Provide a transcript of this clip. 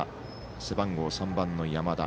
背番号３番の山田。